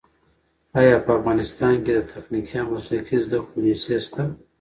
ایا په افغانستان کې د تخنیکي او مسلکي زده کړو لیسې شته؟